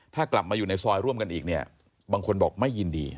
ถ้ากลับมาอยู่ในซอยร่วมกันอีกเนี่ยบางคนบอกไม่ยินดี